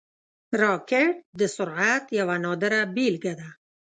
راکټ د سرعت یوه نادره بیلګه ده